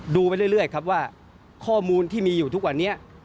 ไปเรื่อยครับว่าข้อมูลที่มีอยู่ทุกวันนี้